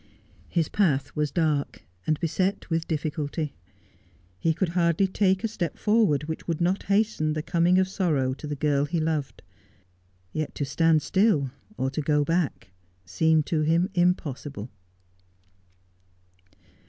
His path was dark, and beset with difficulty. He could hardly take a step forward which would not hasten the coming of sorrow to the girl he loved. Yet to stand still, or to go back, seemed to him impossible.